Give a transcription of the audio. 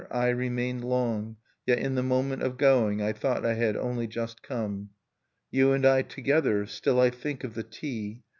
I remained long; yet in the moment of going I thought I had only just come. "You and I together.... Still I think of the tea.